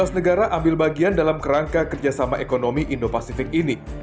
empat belas negara ambil bagian dalam kerangka kerjasama ekonomi indo pasifik ini